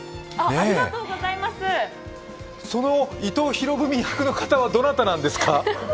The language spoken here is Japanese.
その伊藤博文役の方はどなたなんですか？